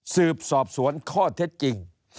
สืบสวนสอบสวนข้อเท็จจริง